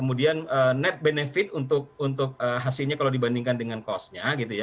jadi itu net benefit untuk hasilnya kalau dibandingkan dengan cost nya